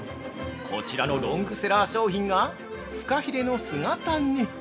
こちらのロングセラー商品が「ふかひれの姿煮」。